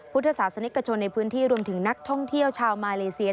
พุทธศาสนิกชนในพื้นที่รวมถึงนักท่องเที่ยวชาวมาเลเซีย